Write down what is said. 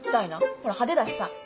ほら派手だしさ。